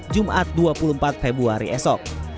jumat dua puluh empat februari esok